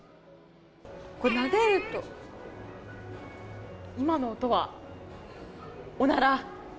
これ、なでると今の音は、おなら。